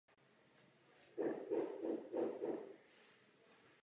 Věnoval se studiu teologie.